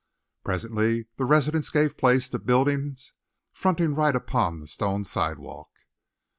Presently the residences gave place to buildings fronting right upon the stone sidewalk.